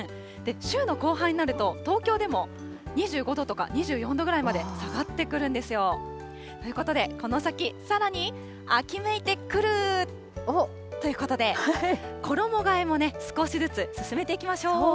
週の後半になると、東京でも２５度とか２４度ぐらいまで下がってくるんですよ。ということで、この先さらに、秋めいてくる！ということで、衣がえもね、少しずつ進めていきましょう。